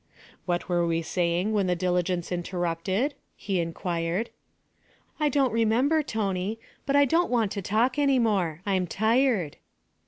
'What were we saying when the diligence interrupted?' he inquired. 'I don't remember, Tony, but I don't want to talk any more; I'm tired.'